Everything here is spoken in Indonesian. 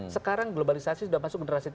sekarang globalisasi sudah masuk generasi tiga